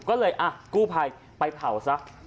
ก็เลยกู้ภัยไปเผาซะ